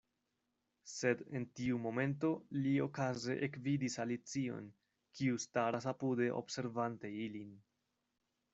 Sed en tiu momento li okaze ekvidis Alicion, kiu staras apude observante ilin.